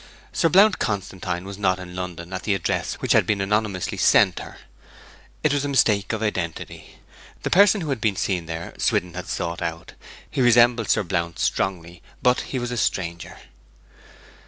Sir Blount Constantine was not in London at the address which had been anonymously sent her. It was a mistake of identity. The person who had been seen there Swithin had sought out. He resembled Sir Blount strongly; but he was a stranger.